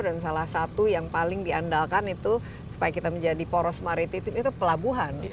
dan salah satu yang paling diandalkan itu supaya kita menjadi poros maritim itu pelabuhan